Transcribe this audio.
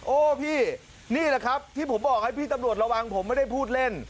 โอ้พี่นี่แหละครับที่ผมบอกให้พี่ตำรวจระวังผมไม่ได้พูดเล่น